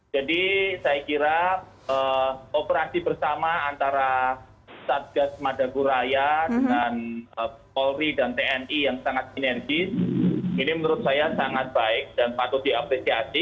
jadi saya kira operasi bersama antara satgat madaguraya dan polri dan tni yang sangat sinergis ini menurut saya sangat baik dan patut diapresiasi